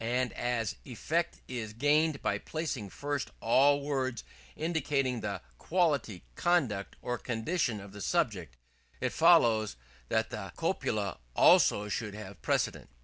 And as effect is gained by placing first all words indicating the quality, conduct or condition of the subject, it follows that the copula also should have precedence.